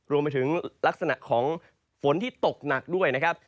รวมไปถึงลักษณะของฝนที่ตกหนักด้วยนะครับ